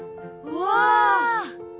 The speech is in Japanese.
うわ！